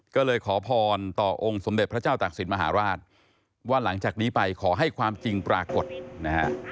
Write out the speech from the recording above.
ก็เลยขอพรต่อองค์สมเด็จพระเจ้าตักศิลปมหาราชว่าหลังจากนี้ไปขอให้ความจริงปรากฏนะฮะ